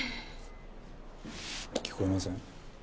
聞こえません？